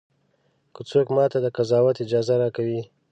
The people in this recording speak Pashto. که څوک ماته د قضاوت اجازه راکوي.